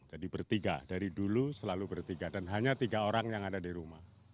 jadi bertiga dari dulu selalu bertiga dan hanya tiga orang yang ada di rumah